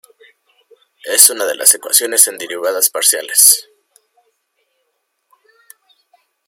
Es una de las ecuaciones en derivadas parciales.